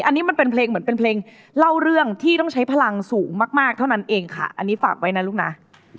อันนี้มันเป็นเพลงเหมือนเป็นเพลงเล่าเรื่องที่ต้องใช้พลังสูงมากเท่านั้นเองค่ะอันนี้ฝากไว้นะลูกนะ